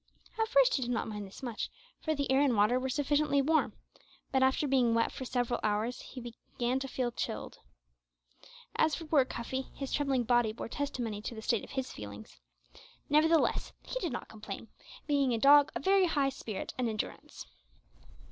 At first he did not mind this much, for the air and water were sufficiently warm, but after being wet for several hours he began feel chilled. As for poor Cuffy, his trembling body bore testimony to the state of his feelings; nevertheless he did not complain, being a dog of high spirit and endurance.